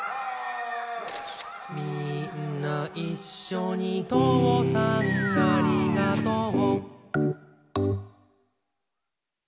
「みーんないっしょにとうさんありがとう」